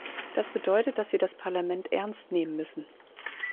Das bedeutet, dass sie das Parlament ernst nehmen müssen.